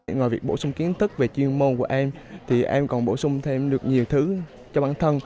ngoài việc bổ sung kiến thức về chuyên môn của em thì em còn bổ sung thêm được nhiều thứ cho bản thân